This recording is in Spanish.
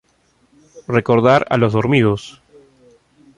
Recordar a los dormidos.